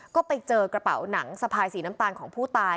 ก็ไปเจอกระเป๋าหนังสะพายสีน้ำตาลของผู้ตาย